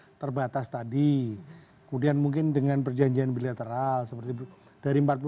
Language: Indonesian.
terus ada persyaratan terbatas tadi kemudian mungkin dengan perjanjian bilateral seperti itu